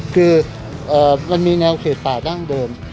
คือมันมีแนวเขตป่าดั้งเดิม